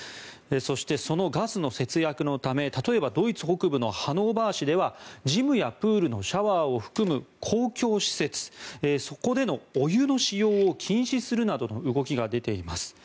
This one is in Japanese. そして、そのガスの節約のため例えばドイツ北部のハノーバー市ではジムやプールのシャワーを含む公共施設そこでのお湯の使用を禁止するなどの動きが出ています。